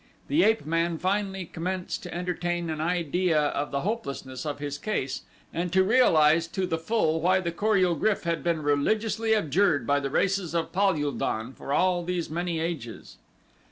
The ape man finally commenced to entertain an idea of the hopelessness of his case and to realize to the full why the Kor ul GRYF had been religiously abjured by the races of Pal ul don for all these many ages.